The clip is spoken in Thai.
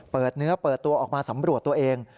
เปิดเนื้อเปิดตัวออกมาสำรวจตัวเอง